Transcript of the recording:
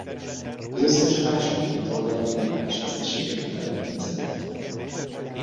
Az összecsapás mindkét oldalon minimális veszteségeket eredményezett.